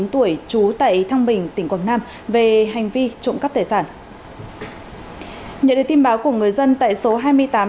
một mươi chín tuổi trú tại thăng bình tỉnh quảng nam về hành vi trộm cắp tài sản